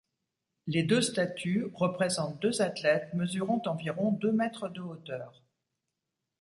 Les deux statues représentent deux athlètes mesurant environ deux mètres de hauteur.